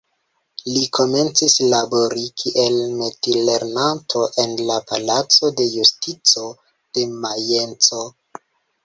Li komencis labori kiel metilernanto en la palaco de Justico de Majenco.